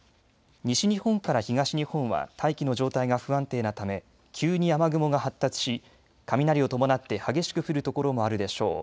西日本から東日本は大気の状態が不安定なため急に雨雲が発達し雷を伴って激しく降る所もあるでしょう。